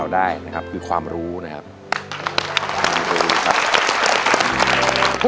ดีมาก